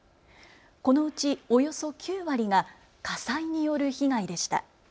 このうちおよそ９割が火災による被害でした。